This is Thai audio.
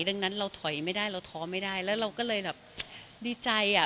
ดังนั้นเราถอยไม่ได้เราท้อไม่ได้แล้วเราก็เลยแบบดีใจอ่ะ